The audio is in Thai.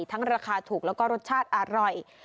ราคาถูกแล้วก็รสชาติอร่อย